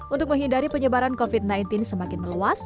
untuk menghindari penyebaran covid sembilan belas semakin meluas